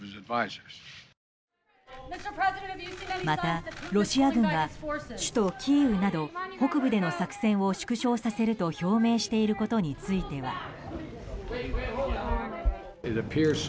また、ロシア軍が首都キーウなど北部での作戦を縮小させると表明していることについては。